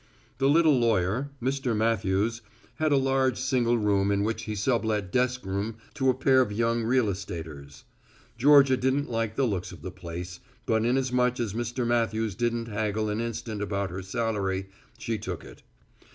The little lawyer, Mr. Matthews, had a large single room in which he sublet desk room to a pair of young real estaters. Georgia didn't like the looks of the place, but inasmuch as Mr. Matthews didn't haggle an instant about her salary, she took it.